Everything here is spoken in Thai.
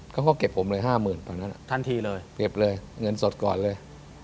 เขาก็เก็บผมเลยห้าหมื่นตอนนั้นทันทีเลยเก็บเลยเงินสดก่อนเลย